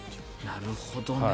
なるほどね。